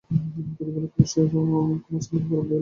আমার প্রতিপালক অবশ্যই ক্ষমাশীল, পরম দয়ালু।